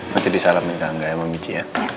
maksudnya salam juga gak emang biji ya